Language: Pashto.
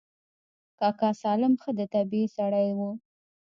کاکا سالم ښه د طبعې سړى و.